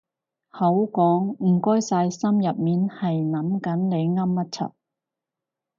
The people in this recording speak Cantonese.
口講唔該晒心入面係諗緊你噏乜柒